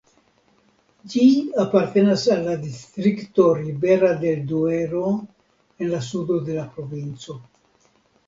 Ĝi apartenas al la distrikto Ribera del Duero en la sudo de la provinco.